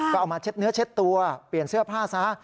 ก็เอามาเช็ดเนื้อเช็ดตัวเปลี่ยนเสื้อผ้าซะ